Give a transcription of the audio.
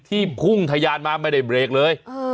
พุ่งทะยานมาไม่ได้เบรกเลย